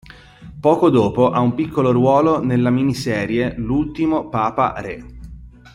Poco dopo ha un piccolo ruolo nella miniserie "L'ultimo papa re".